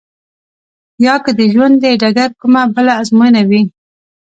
يا که د ژوند د ډګر کومه بله ازموينه وي.